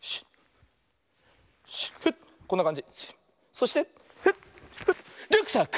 そしてフッフッリュックサック！